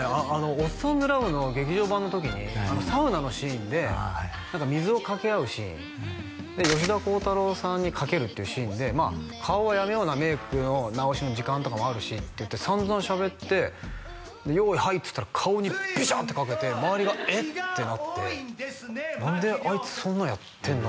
「おっさんずラブ」の劇場版の時にサウナのシーンで水をかけ合うシーンで吉田鋼太郎さんにかけるっていうシーンで顔はやめようなメイクの直しの時間とかもあるしっていって散々しゃべって用意はいっつったら顔にビシャッてかけて周りがえっ？ってなって何であいつそんなんやってんの？